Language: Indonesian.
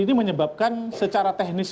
ini menyebabkan secara teknis